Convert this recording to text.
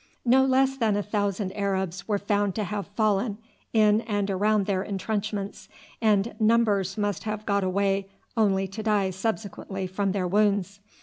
No less than a thousand Arabs were found to have fallen in and around their intrenchments, and numbers must have got away only to die subsequently from their wounds.